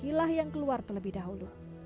agar kakilah yang keluar terlebih dahulu